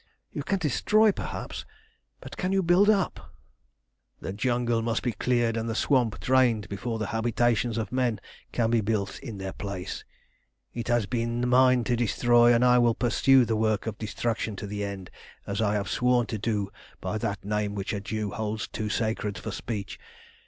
You can destroy, perhaps, but can you build up?" "The jungle must be cleared and the swamp drained before the habitations of men can be built in their place. It has been mine to destroy, and I will pursue the work of destruction to the end, as I have sworn to do by that Name which a Jew holds too sacred for speech.